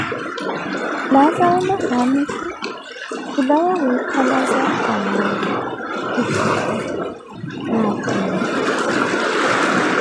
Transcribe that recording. Laazaru na haamitu khulawa kwikalaza valaavi, khujipu: naakhumi.